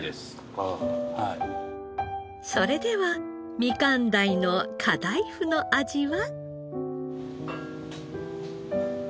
それではみかん鯛のカダイフの味は。